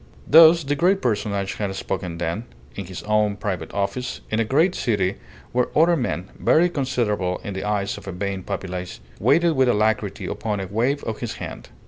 Thus the great personage had spoken then, in his own private office, in a great city where other men (very considerable in the eyes of a vain populace) waited with alacrity upon a wave of his hand.